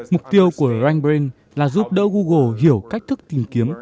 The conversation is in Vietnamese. mục tiêu của rankbrain là giúp đỡ google hiểu cách thức tìm kiếm